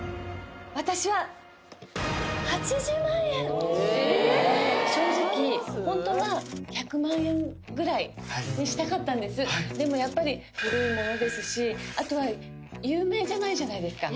私は正直本当は１００万円ぐらいにしたかったんですでもやっぱり古いものですしあとは有名じゃないじゃないですか